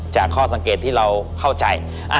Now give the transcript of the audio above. ข้อสังเกตที่เราเข้าใจ